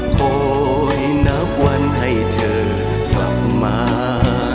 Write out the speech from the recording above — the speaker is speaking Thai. คอยนับวันให้เธอกลับมา